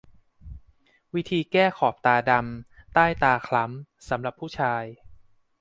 วิธีแก้ขอบตาดำ ใต้ตาคล้ำสำหรับผู้ชาย